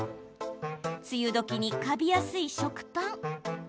梅雨どきにカビやすい食パン。